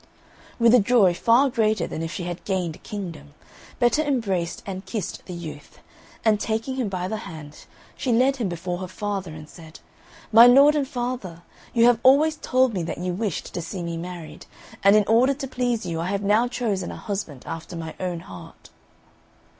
With a joy far greater than if she had gained a kingdom, Betta embraced and kissed the youth, and taking him by the hand, she led him before her father and said, "My lord and father, you have always told me that you wished to see me married, and in order to please you I have now chosen a husband after my own heart."